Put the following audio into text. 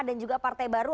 dan juga partai baru